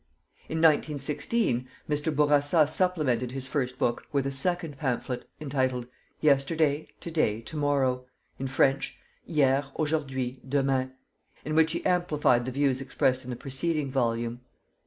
In 1916, Mr. Bourassa supplemented his first book with a second pamphlet, entitled: "Yesterday, To day, To morrow," in French: "Hier, Aujourd'hui, Demain," in which he amplified the views expressed in the preceding volume.